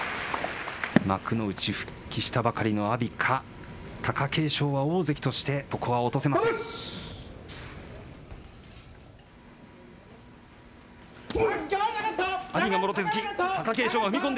幕内復帰したばかりの阿炎か、貴景勝は大関として、ここは落とせません。